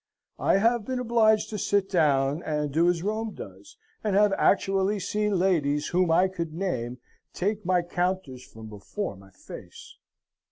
I have been obliged to sit down, and do as Rome does, and have actually seen ladies whom I could name take my counters from before my face!